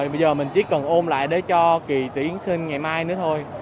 bây giờ mình chỉ cần ôm lại để cho kỳ tuyển sinh ngày mai nữa thôi